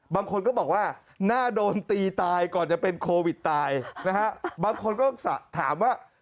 บางคนก็บอกว่าน่าโดนตีตายก่อนจะเป็นโควิดตายนะฮะบางคนก็ถามว่า